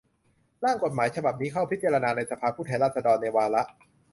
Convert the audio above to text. ร่างกฎหมายฉบับนี้เข้าพิจารณาในสภาผู้แทนราษฎรในวาระ